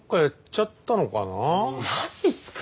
マジっすか。